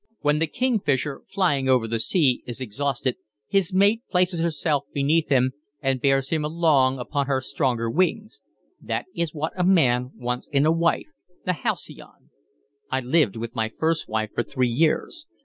"When the kingfisher, flying over the sea, is exhausted, his mate places herself beneath him and bears him along upon her stronger wings. That is what a man wants in a wife, the halcyon. I lived with my first wife for three years.